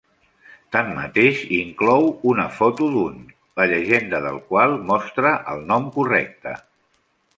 Tanmateix, inclou una foto d'un, la llegenda del qual mostra el nom correcte.